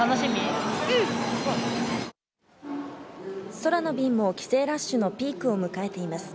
空の便も帰省ラッシュのピークを迎えています。